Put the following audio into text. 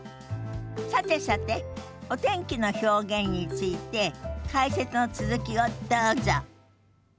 さてさてお天気の表現について解説の続きをどうぞ。